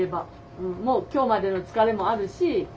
うんもう今日までの疲れもあるし。